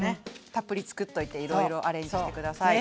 たっぷり作っといていろいろアレンジして下さい。